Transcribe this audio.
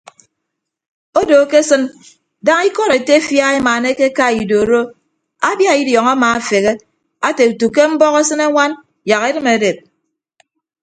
Odo akesịn daña ikọd etefia emaanake eka idoro abia idiọñ amaafeghe ate utu ke mbọk asịne añwan yak edịm edep.